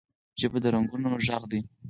ژبه د رنګونو غږ ده